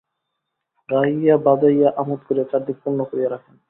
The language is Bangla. গাহিয়া বাজাইয়া, আমোদ করিয়া চারিদিক পূর্ণ করিয়া রাখেন।